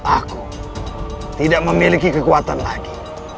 aku tidak memiliki kekuatan lagi